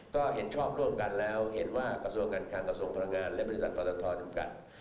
ก็เห็นชอบร่วมกันแล้วเห็นว่ากระทรวงการคังกระทรวงพลังงานและบริษัทปรตทจำกัด